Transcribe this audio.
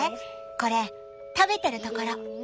これ食べてるところ。